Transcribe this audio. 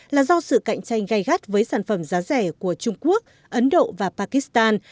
là do sự cạnh tranh gây gắt với sản phẩm giá rẻ của trung quốc ấn độ và pakistan